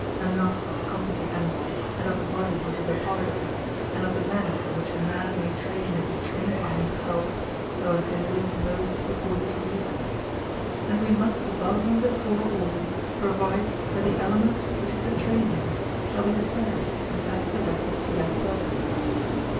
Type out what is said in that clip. Enough of the composite animal, and of the body which is a part of him, and of the manner in which a man may train and be trained by himself so as to live most according to reason: and we must above and before all provide that the element which is to train him shall be the fairest and best adapted to that purpose.